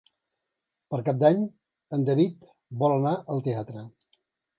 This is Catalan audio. Per Cap d'Any en David vol anar al teatre.